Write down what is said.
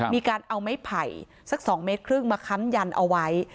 มีการเอาไม้ไผ่สัก๒เมตรครึ่งมาค้ำยันเอาไว้